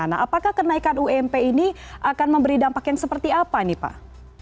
nah apakah kenaikan ump ini akan memberi dampak yang seperti apa nih pak